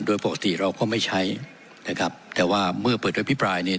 โดยปกติเราก็ไม่ใช้นะครับแต่ว่าเมื่อเปิดอภิปรายเนี่ย